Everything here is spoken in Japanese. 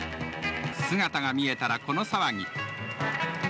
姿が見えたらこの騒ぎ。